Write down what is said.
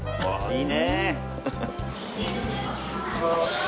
いいね。